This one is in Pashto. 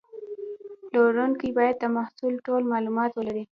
پلورونکی باید د محصول ټول معلومات ولري.